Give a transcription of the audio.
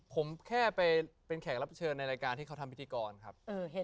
ผมแค่ไปเป็นแขกรับเชิญในรายการที่เขาทำพิธีกรครับ